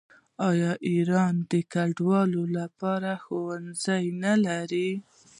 آیا ایران د کډوالو لپاره ښوونځي نلري؟